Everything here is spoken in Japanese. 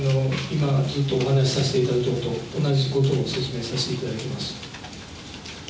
今、ずっとお話させていただきましたことと、同じことを説明させていただきます。